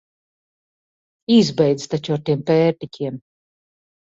Izbeidz taču ar tiem pērtiķiem!